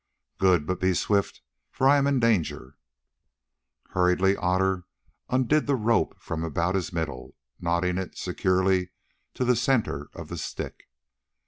"Good, but be swift, for I am in danger." Hurriedly Otter undid the hide rope from about his middle, knotting it securely to the centre of the stick.